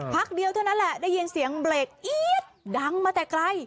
พักเดียวเท่านั้นแหละได้ยินเสียงเบรกเอี๊ยดดังมาแต่ไกล